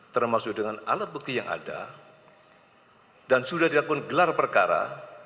termasuk dengan alat bukti yang ada dan sudah dilakukan gelar perkara